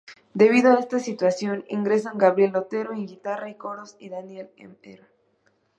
Debido a esta situación, ingresan Gabriel Otero en guitarra y coros, y Daniel "Mr.